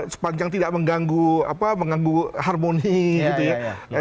sepanjang tidak mengganggu harmoni gitu ya